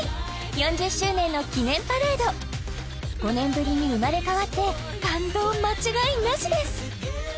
４０周年の記念パレード５年ぶりに生まれ変わって感動間違いなしです！